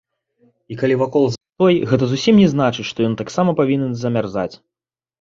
І калі вакол застой, гэта зусім не значыць, што ён таксама павінен замярзаць.